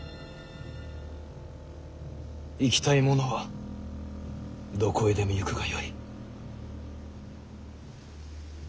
行きたい者はどこへでも行くがよい。